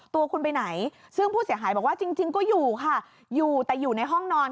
ตัวคุณไปไหนซึ่งผู้เสียหายบอกว่าจริงก็อยู่ค่ะอยู่แต่อยู่ในห้องนอน